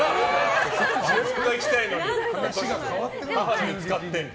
自分が行きたいのに母の日に使って。